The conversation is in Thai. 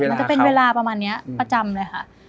มันจะเป็นเวลาประมาณนี้ประจำเลยค่ะ